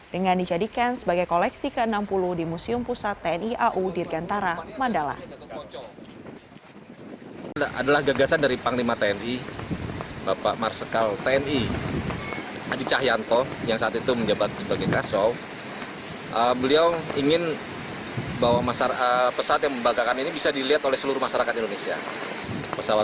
dengan dijadikan sebagai koleksi ke enam puluh di museum pusat tni angkatan udara